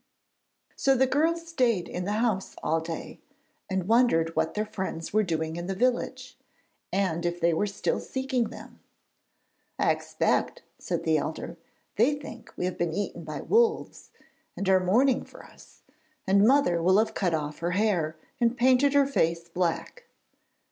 So the girls stayed in the house all day, and wondered what their friends were doing in the village, and if they were still seeking them. 'I expect,' said the elder, 'they think we have been eaten by wolves, and are mourning for us. And mother will have cut off her hair, and painted her face black.'